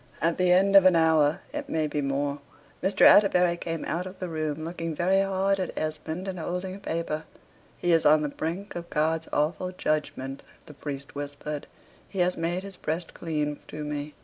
At the end of an hour it may be more Mr. Atterbury came out of the room, looking very hard at Esmond, and holding a paper. "He is on the brink of God's awful judgment," the priest whispered. "He has made his breast clean to me.